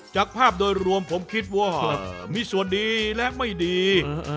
จากภาพโดยรวมผมคิดว่ามีส่วนดีและไม่ดี